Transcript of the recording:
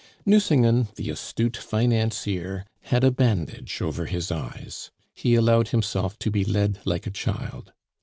Nucingen, the astute financier, had a bandage over his eyes; he allowed himself to be led like a child.